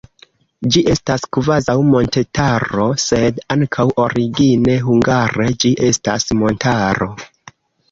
Ĝi estas kvazaŭ montetaro, sed ankaŭ origine hungare ĝi estas montaro.